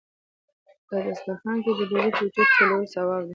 په دسترخان کې د ډوډۍ ټوټې ټولول ثواب دی.